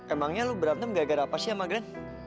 emangnya lo berantem gara gara apa sih sama glenn